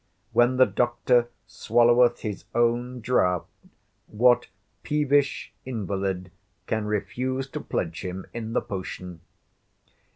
When the doctor swalloweth his own draught, what peevish invalid can refuse to pledge him in the potion?